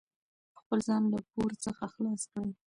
خپل ځان له پور څخه خلاص کړئ.